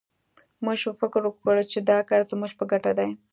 موږ فکر وکړ چې دا کار زموږ په ګټه دی